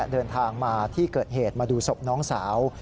เดินทางมาที่เกิดเหตุมาดูศพน้องสาว